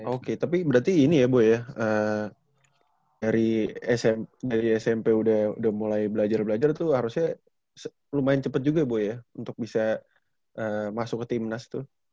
oke tapi berarti ini ya bu ya dari smp udah mulai belajar belajar tuh harusnya lumayan cepat juga bu ya untuk bisa masuk ke timnas tuh